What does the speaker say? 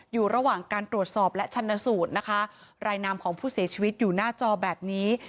อยู่ระหว่างการตรวจสอบและชันสูตรนะคะรายนามของผู้เสียชีวิตอยู่หน้าจอแบบนี้